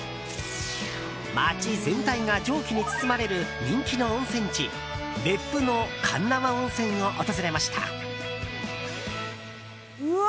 街全体が蒸気に包まれる人気の温泉地別府の鉄輪温泉を訪れました。